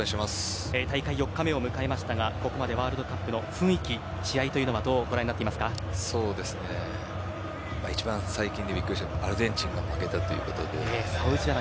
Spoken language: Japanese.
大会４日目を迎えましたがここまでワールドカップの雰囲気、試合というのは一番最近でビックリしたのはアルゼンチンが負けたということで。